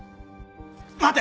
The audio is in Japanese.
待て。